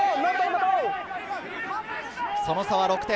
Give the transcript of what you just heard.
その差は６点。